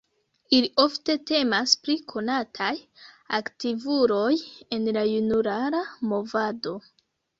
Ili ofte temas pri konataj aktivuloj en la junulara movado.